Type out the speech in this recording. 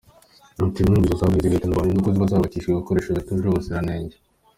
Ati "Mujya mwumva inzu zaguye, zigahitana abantu, ni uko ziba zarubakishijwe ibikoresho bitujuje ubuziranenge.